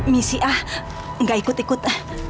misiah nggak ikut ikut